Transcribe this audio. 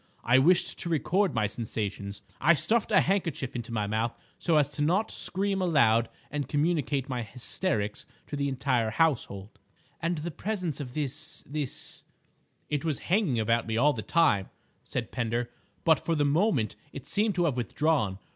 I wished to record my sensations. I stuffed a handkerchief into my mouth so as not to scream aloud and communicate my hysterics to the entire household." "And the presence of this—this—?" "It was hanging about me all the time," said Pender, "but for the moment it seemed to have withdrawn.